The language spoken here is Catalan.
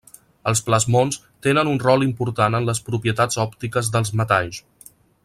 Els plasmons tenen un rol important en les propietats òptiques dels metalls.